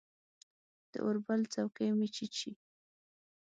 د اوربل څوکې مې چیچي